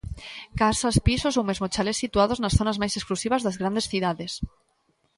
Casas, pisos ou mesmo chalés situados nas zonas máis exclusivas das grandes cidades.